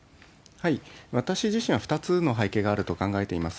私自身は２つの背景があると考えています。